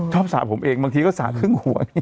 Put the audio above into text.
สระผมเองบางทีก็สระครึ่งหัว